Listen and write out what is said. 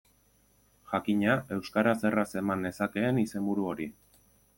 Jakina, euskaraz erraz eman nezakeen izenburu hori.